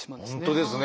本当ですね。